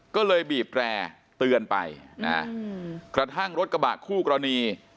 ก็เลยบีบแร่เตือนไปนะกระทั่งรถกระบะคู่กรณี